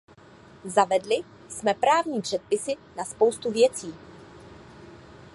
Zavedli jsme právní předpisy na spoustu věcí.